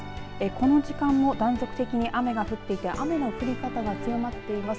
この時間も断続的に雨が降っていて雨の降り方が強まっています。